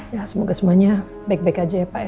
ya semoga semuanya baik baik aja ya pak ya